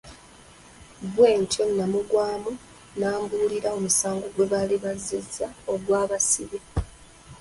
Bw’atyo Nabugwamu n’amubuulira omusango gwe baali bazzizza ogwabasibya.